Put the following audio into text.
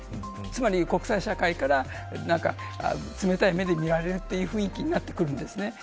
つまり国際社会から何か冷たい目で見られるという雰囲気になってくるんですね。